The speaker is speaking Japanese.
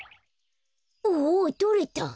おとれた！